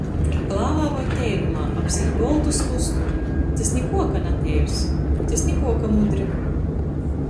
Klāvā voi teirumā, apsīņ boltu skustu. Tys nikuo, ka nateirs. Tys nikuo, ka mudri.